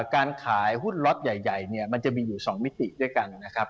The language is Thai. การขายหุ้นล็อตใหญ่เนี่ยมันจะมีอยู่๒มิติด้วยกันนะครับ